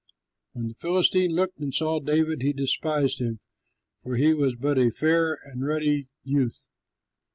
When the Philistine looked and saw David, he despised him, for he was but a fair and ruddy youth.